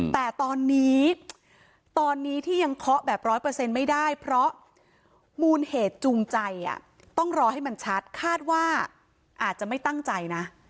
แต่ตอนนี้ตอนนี้ที่ยังเคาะแบบร้อยเปอร์เซ็นต์ไม่ได้เพราะมูลเหตุจูงใจต้องรอให้มันชัดคาดว่าอาจจะไม่ตั้งใจนะ